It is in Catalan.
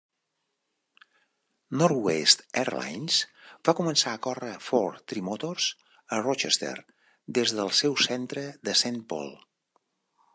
Northwest Airlines va començar a córrer Ford Trimotors a Rochester des del seu centre de Saint Paul.